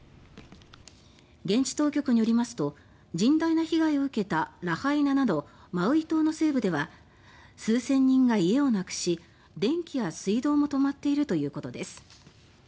現地当局によりますと甚大な被害を受けたラハイナなどマウイ島の西部では数千人が家をなくし電気や水道も止まっているということです。